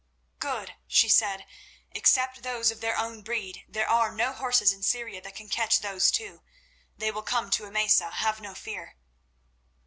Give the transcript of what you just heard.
"Good," she said. "Except those of their own breed, there are no horses in Syria that can catch those two. They will come to Emesa, have no fear."